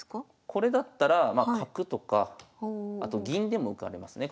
これだったらまあ角とかあと銀でも受かりますね